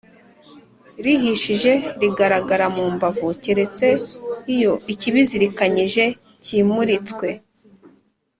rihishije rigaragara mu mbavu keretse iyo ikibizirikanyije kimuritswe